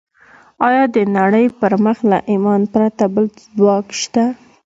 ايا د نړۍ پر مخ له ايمانه پرته بل ځواک شته؟